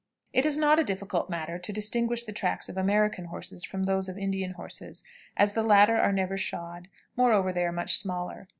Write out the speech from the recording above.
It is not a difficult matter to distinguish the tracks of American horses from those of Indian horses, as the latter are never shod; moreover, they are much smaller.